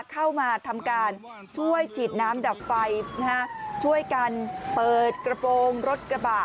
เข้ามาทำการช่วยฉีดน้ำดับไฟช่วยกันเปิดกระโปรงรถกระบะ